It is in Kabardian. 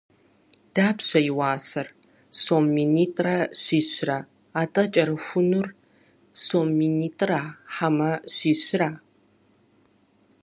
Дапщэ и уасэр? Сом минитӏрэ щищрэ. Атӏэ, кӏэрыхуныр сом минитӏра, хьэмэ щищра?